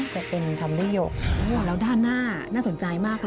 จะเป็นคำลี่หยกแล้วด้านหน้าน่าสนใจมากค่ะ